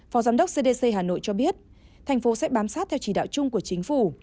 phó giám đốc cdc hà nội cho biết thành phố sẽ bám sát theo chỉ đạo chung của chính phủ